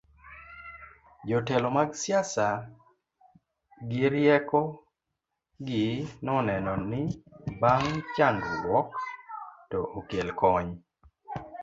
jotelo mag siasa gi rieko gi noneno ni bang' chandgruok to okel kony